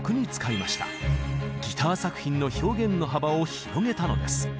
ギター作品の表現の幅を広げたのです。